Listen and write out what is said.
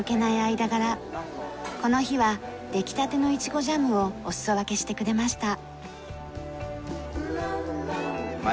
この日は出来たてのイチゴジャムをお裾分けしてくれました。